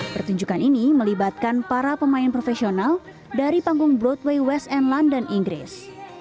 pertunjukan ini melibatkan para pemain profesional dari panggung broadway west and london inggris